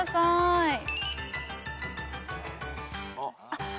あっ！